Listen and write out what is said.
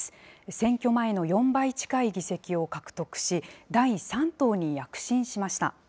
選挙前の４倍近い議席を獲得し、第３党に躍進しました。